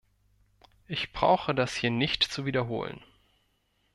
Ich brauche das hier nicht zu wiederholen.